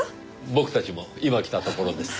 僕たちも今来たところです。